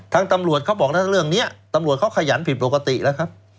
ทางตำรวจเขาบอกแล้วเรื่องนี้ตำรวจเขาขยันผิดปกติแล้วครับ